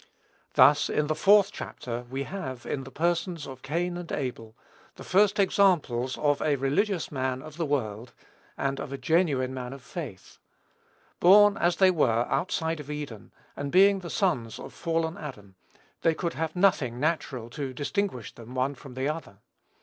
Thus, in the fourth chapter, we have, in the persons of Cain and Abel, the first examples of a religious man of the world, and of a genuine man of faith. Born, as they were, outside of Eden, and being the sons of fallen Adam, they could have nothing, natural, to distinguish them, one from the other.